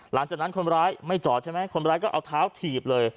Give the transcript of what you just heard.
หลังจากนั้นคนร้ายไม่จอดใช่ไหมคนร้ายก็เอาเท้าถีบเลย